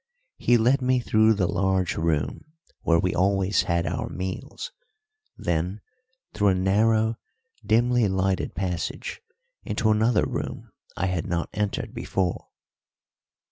He led me through the large room where we always had our meals, then through a narrow, dimly lighted passage into another room I had not entered before.